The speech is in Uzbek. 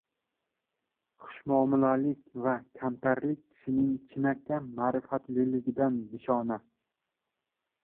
Xushmuomalalik va kamtarlik kishining chinakam ma’rifatliligidan nishona.